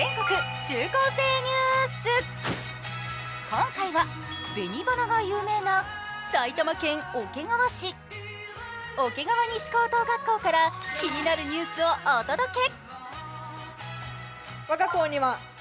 今回は、紅花が有名な埼玉県桶川市、桶川西高等学校から気になるニュースをお届け。